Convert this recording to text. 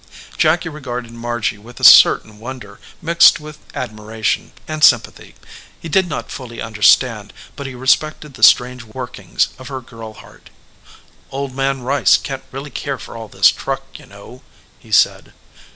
Jacky regarded Margy with a certain wonder mixed with admiration and sympathy. He did not fully understand, but he respected the strange workings of her girl heart. "Old Man Rice can t really care for all this truck, you know," he said.